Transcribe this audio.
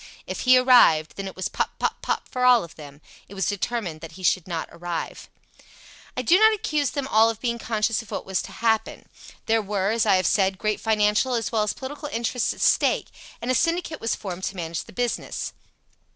If he arrived, then it was pop, pop, pop for all of them. It was determined that he should not arrive. "I do not accuse them all of being conscious of what was to happen. There were, as I have said, great financial as well as political interests at stake, and a syndicate was formed to manage the business.